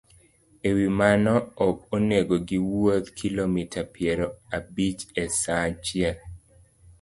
E wi mano, ok onego giwuoth kilomita piero abich e sa achiel